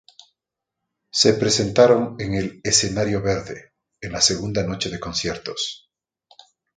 Se presentaron en el "Escenario verde" en la segunda noche de conciertos.